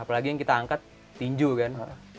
apalagi yang kita angkat tinju kan